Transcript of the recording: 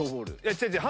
違う違う。